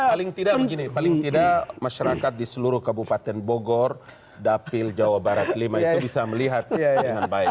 paling tidak begini paling tidak masyarakat di seluruh kabupaten bogor dapil jawa barat lima itu bisa melihat dengan baik